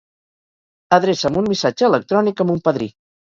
Adreça'm un missatge electrònic a mon padrí.